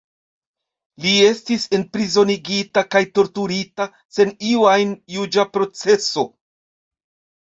Li estis enprizonigita kaj torturita, sen iu ajn juĝa proceso.